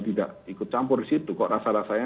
tidak ikut campur disitu kok rasa rasanya